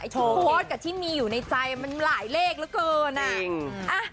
โพสต์กับที่มีอยู่ในใจมันหลายเลขเหลือเกิน